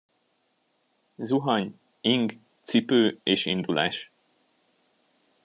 Zuhany, ing, cipő és indulás.